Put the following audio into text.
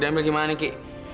dia ambil gimana ki